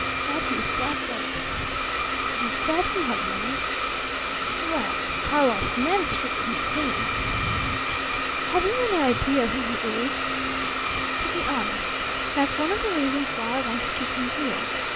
But he is flat broke." "He said he had money." "Well, Karlov's men stripped him clean." "Have you any idea who he is?" "To be honest, that's one of the reasons why I want to keep him here.